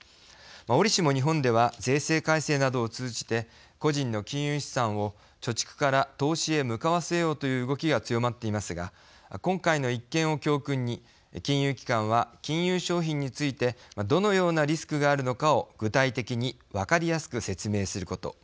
おりしも日本では税制改正などを通じて個人の金融資産を貯蓄から投資へ向かわせようという動きが強まっていますが今回の一件を教訓に金融機関は金融商品についてどのようなリスクがあるのかを具体的に分かりやすく説明すること。